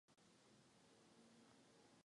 Dobrovolnictví jako činnost přemosťuje generace.